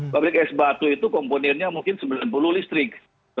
pabrik es batu itu komponennya mungkin sembilan puluh listrik